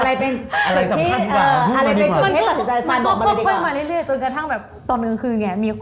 ไม่เข้าค่อยแบบเรื่อยจนกระทั่งสักกาทีเมื่อกี้เนี่ย